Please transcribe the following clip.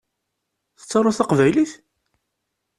Tettaruḍ taqbaylit?